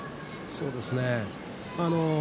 そうですね。